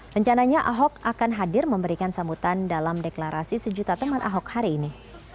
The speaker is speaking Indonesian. rencananya ahok akan hadir memberikan sambutan dalam deklarasi sejuta teman ahok hari ini